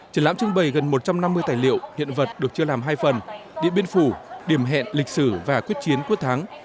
triển lãm trưng bày gần một trăm năm mươi tài liệu hiện vật được chia làm hai phần điện biên phủ điểm hẹn lịch sử và quyết chiến quyết thắng